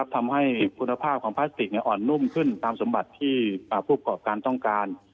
ทำให้คุณภาพของพลาสติกอ่อนนุ่มขึ้นตามสมบัติที่ผู้กรอบการต้องการ